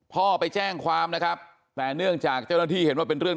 พ่อไปแจ้งความนะครับแต่เนื่องจากเจ้าหน้าที่เห็นว่าเป็นเรื่อง